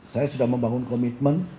saya sudah membangun komitmen